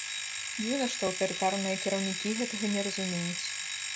Дзіўна, што аўтарытарныя кіраўнікі гэтага не разумеюць.